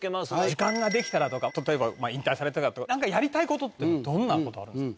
時間ができたらとか例えば引退されてからとか何かやりたいことってどんなことあるんですか。